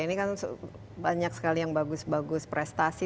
ini kan banyak sekali yang bagus bagus prestasi